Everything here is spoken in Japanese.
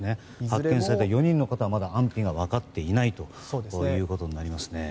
発見された４人の方はいずれも安否が分かっていないということになりますね。